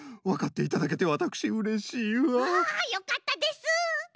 わかっていただけてわたくしうれしいわ。わよかったです。